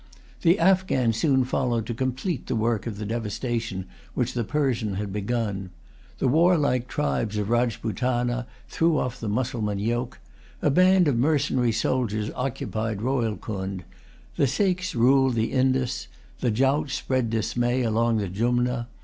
The Afghan soon followed to complete the work of the devastation which the Persian had begun. The warlike tribes of Rajpootana, threw off the Mussulman yoke. A band of mercenary soldiers occupied Rohilcund. The Seiks ruled or the Indus. The Jauts spread dismay along the Jumna.